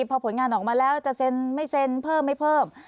พอผลงานออกมาแล้วจะเซ็นไม่เซ็นเพิ่มไม่เพิ่ม